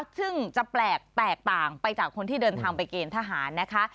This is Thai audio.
ซึ่งจะแปลกแตกต่างไปจากคนที่เดินทางไปเกณฑ์ทหารนะคะ